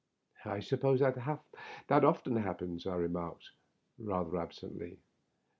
" I suppose that often happens ?" I remarked, rather absently.